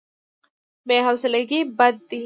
بې حوصلګي بد دی.